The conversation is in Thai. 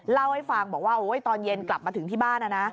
เล่าให้ฟังบอกว่าโอ๊ยตอนเย็นกลับมาถึงที่บ้านนะนะ